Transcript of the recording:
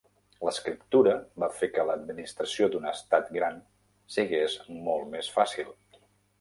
L'escriptura va fer que l'administració d'un estat gran sigués molt més fàcil.